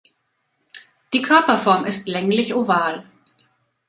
Die Körperform ist länglich oval.